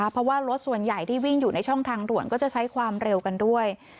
เพราะว่ารถส่วนใหญ่ที่วิ่งอยู่ในช่องทางด่วนก็จะใช้ความเร็วกันด้วย